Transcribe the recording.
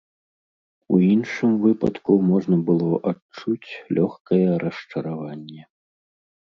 У іншым выпадку можна было адчуць лёгкае расчараванне.